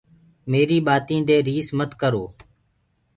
ميريٚ ڀآتينٚ دي ريس مت ڪرو۔